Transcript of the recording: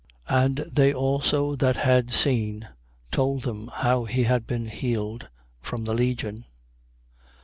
8:36. And they also that had seen told them how he had been healed from the legion.